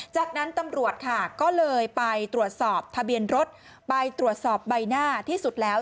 จากนั้นตำรวจค่ะก็เลยไปตรวจสอบทะเบียนรถไปตรวจสอบใบหน้าที่สุดแล้ว